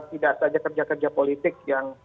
tidak saja kerja kerja politik yang